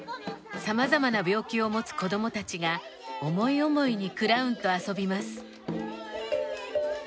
様々な病気を持つ子どもたちが思い思いにクラウンと遊びます。